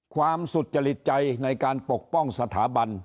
สุจริตใจในการปกป้องสถาบัน